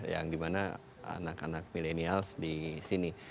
yang dimana anak anak milenials di sini